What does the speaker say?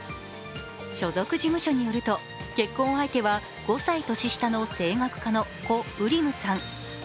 所属事務所によると、結婚相手は５歳年下の声楽家のコ・ウリムさん。